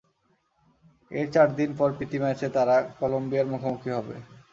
এর চার দিন পর প্রীতি ম্যাচে তাঁরা কলম্বিয়ার মুখোমুখি হবে।